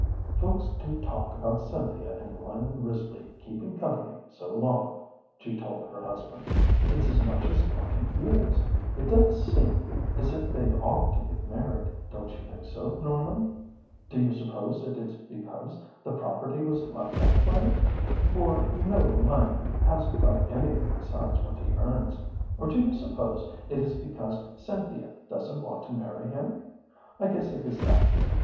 "Folks do talk about Cynthia and Lyman Risley keeping company so long," she told her husband; "it's as much as twenty years. It does seem as if they ought to get married, don't you think so, Norman? Do you suppose it is because the property was left that way for you know Lyman hasn't got anything besides what he earns or do you suppose it is because Cynthia doesn't want to marry him? I guess it is that.